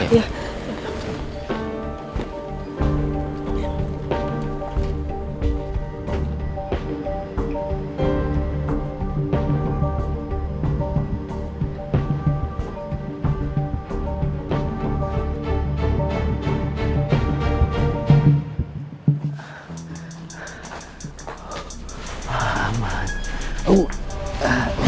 semoga aja orang itu ketemu